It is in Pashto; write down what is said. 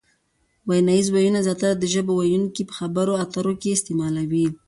ویناییز وییونه زیاتره د ژبو ویونکي په خبرو اترو کښي استعمالوي.